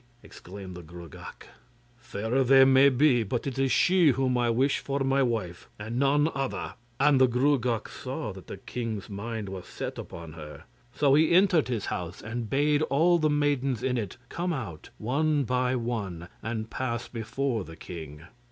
exclaimed the Gruagach. 'Fairer they may be, but it is she whom I wish for my wife, and none other,' and the Gruagach saw that the king's mind was set upon her, so he entered his house, and bade all the maidens in it come out one by one, and pass before the king.